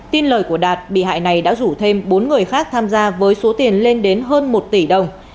tin lời của đạt bị hại này đã rủ thêm bốn người khác tham gia với số tiền lên đến hơn một tỷ đồng